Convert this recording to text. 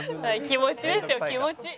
気持ちですよ気持ち。